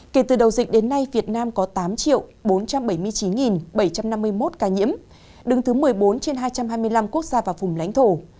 kể từ đầu dịch đến nay việt nam có tám bốn trăm bảy mươi chín bảy trăm năm mươi một ca nhiễm đứng thứ một mươi bốn trên hai trăm hai mươi năm quốc gia và vùng lãnh thổ